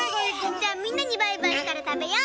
じゃあみんなにバイバイしたらたべよう！